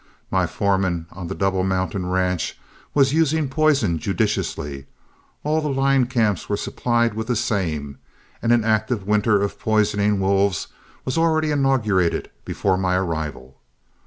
My foreman on the Double Mountain ranch was using poison judiciously, all the line camps were supplied with the same, and an active winter of poisoning wolves was already inaugurated before my arrival.